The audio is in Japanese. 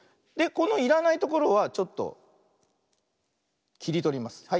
でこのいらないところはちょっときりとります。